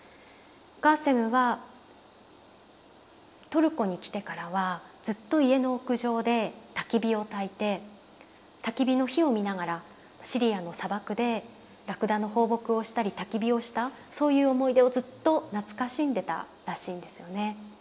ガーセムはトルコに来てからはずっと家の屋上でたき火をたいてたき火の火を見ながらシリアの砂漠でラクダの放牧をしたりたき火をしたそういう思い出をずっと懐かしんでたらしいんですよね。